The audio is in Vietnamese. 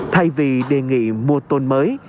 thay vì đề nghị mua tôn mới